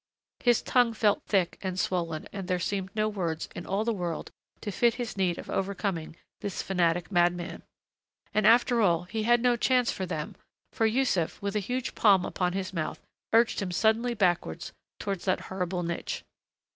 His tongue felt thick and swollen and there seemed no words in all the world to fit his need of overcoming this fanatic madman, and after all, he had no chance for them, for Yussuf, with a huge palm upon his mouth, urged him suddenly backwards towards that horrible niche.